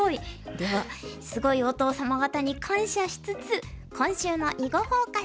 ではすごいお父様方に感謝しつつ今週の「囲碁フォーカス」